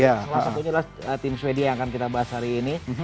salah satunya adalah tim sweden yang akan kita bahas hari ini